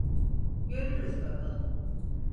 Görürüz bakalım.